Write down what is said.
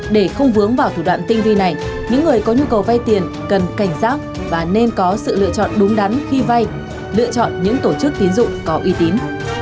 để không vướng vào thủ đoạn tinh vi này những người có nhu cầu vay tiền cần cảnh giác và nên có sự lựa chọn đúng đắn khi vay lựa chọn những tổ chức tiến dụng có uy tín